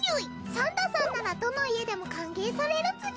サンタさんならどの家でも歓迎されるつぎ。